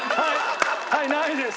はいないです。